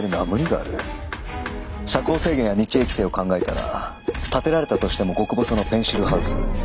遮光制限や日影規制を考えたら建てられたとしても極細のペンシルハウス。